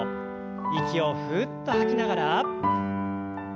息をふっと吐きながら。